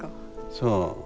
そう。